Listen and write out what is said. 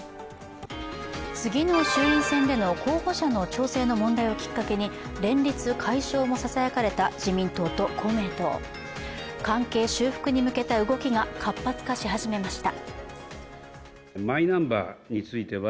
次の衆院選での候補者の調整の問題をきっかけに、連立解消もささやかれた自民党と公明党、関係修復に向けた動きが活発化し始めました。